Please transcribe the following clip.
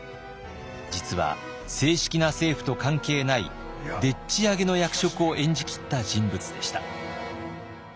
実は正式な政府と関係ないでっちあげの役職を演じきった人物でした。